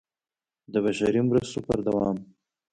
د بشري مرستو پر دوام